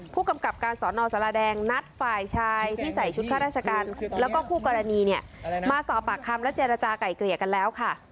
ผู้กำกับการสอนอสารแดงนัดฝ่ายชายที่ใส่ชุดข้าราชการแล้วก็คู่กรณีเนี่ยมาสอบปากคำและเจรจาก่ายเกลี่ยกันแล้วค่ะ